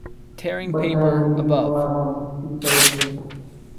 ٻڌانئين ملين ۿوار مان ڀڳتي ڪري سي